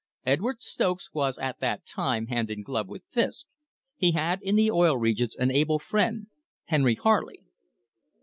Edward Stokes was at that time hand in glove with Fisk; he had in the Oil Regions an able friend, Henry Harley.